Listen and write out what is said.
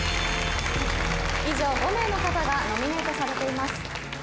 以上５名の方がノミネートされています。